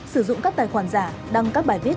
sử dụng các tài khoản giả đăng các bài viết